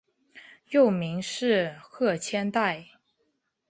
幼名是鹤千代。